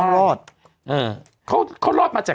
สวัสดีครับคุณผู้ชม